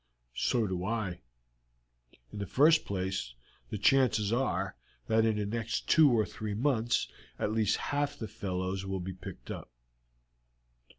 "So do I. In the first place the chances are that in the next two or three months at least half the fellows will be picked up.